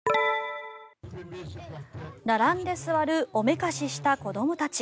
並んで座るおめかしした子どもたち。